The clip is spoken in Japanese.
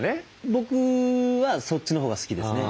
僕はそっちのほうが好きですね。